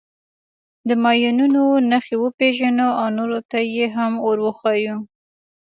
د ماینونو نښې وپېژنو او نورو ته یې هم ور وښیو.